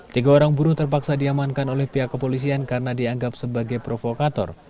tiga orang buruh terpaksa diamankan oleh pihak kepolisian karena dianggap sebagai provokator